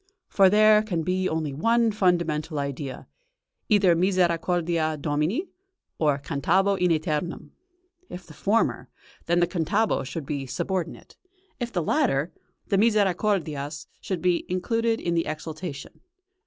For there can be only one fundamental idea either "Misericordias Domini" or "cantabo in æternum." If the former, then the "cantabo" should be subordinate; if the latter, the "Misercordias" must be included in the exultation.